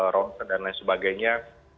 ronten dan lain sebagainya